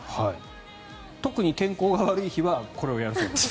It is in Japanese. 特に天候が悪い日はこれをやるそうです。